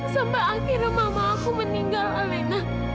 sampai akhirnya mama aku meninggal elena